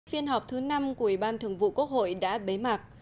phiên họp thứ năm của ủy ban thường vụ quốc hội đã bế mạc